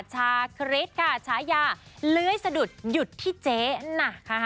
ชาคริสต์ค่ะชายาเลยสะดุดหยุดที่เจ๊นะ